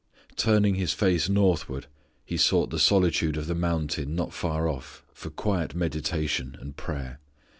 Turning His face northward He sought the solitude of the mountain not far off for quiet meditation and prayer.